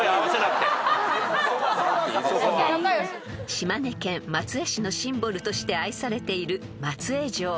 ［島根県松江市のシンボルとして愛されている松江城］